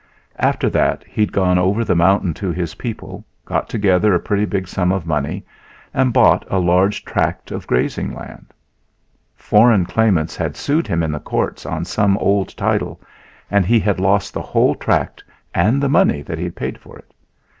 After that he had gone over the mountain to his people, got together a pretty big sum of money and bought a large tract of grazing land. Foreign claimants had sued him in the courts on some old title and he had lost the whole tract and the money that he had paid for it.